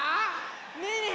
ねえねえ２